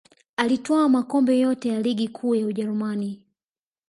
Alitwaa makombe yote ya ligi kuu ya ujerumani